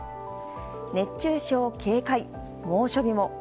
熱中症警戒、猛暑日も。